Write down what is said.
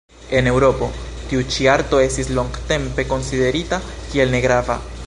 En Eŭropo, tiu ĉi arto estis longtempe konsiderita kiel negrava.